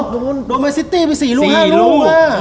โดนมาร์ทซิตตี้ไปสี่ลูกห้าลูกอ่ะ